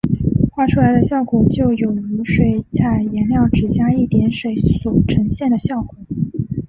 画出来的效果就有如水彩颜料只加一点水所呈现的效果。